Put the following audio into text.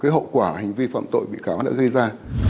hậu quả hành vi phạm tội bị cáo đã gây ra